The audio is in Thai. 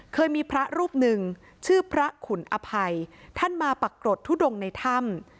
เคยมีพระรูปหนึ่งชื่อพระขุนอภัยท่านมาปรากฏทุดงในถ้ำ